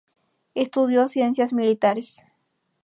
Estudió ciencias militares.